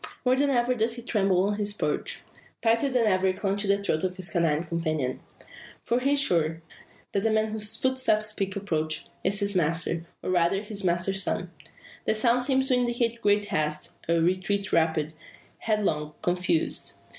More than ever does he tremble on his perch; tighter than ever clutching the throat of his canine companion. For he is sure, that the man whose footsteps speak approach, is his master, or rather his master's son. The sounds seem to indicate great haste a retreat rapid, headlong, confused.